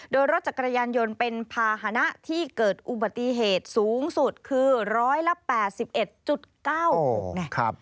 โดยรถจักรยานยนต์เป็นภาษณะที่เกิดอุบัติเหตุสูงสุดคือ๑๘๑๙๖ไง